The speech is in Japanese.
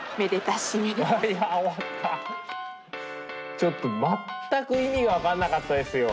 ちょっと全く意味が分かんなかったですよ。